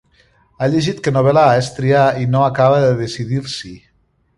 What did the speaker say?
Ha llegit que novel·lar és triar i no acaba de decidir-s'hi.